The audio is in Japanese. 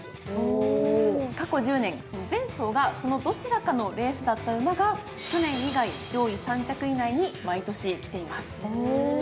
過去１０年前走がそのどちらかのレースだった馬が去年以外上位３着以内に毎年来ています。